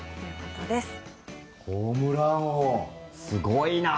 すごいな。